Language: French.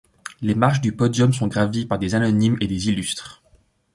Les marches du podium sont gravies par des anonymes et des illustres.